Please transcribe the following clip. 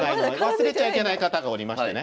忘れちゃいけない方がおりましてね